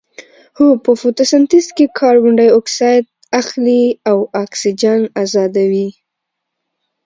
هو په فتوسنتیز کې کاربن ډای اکسایډ اخلي او اکسیجن ازادوي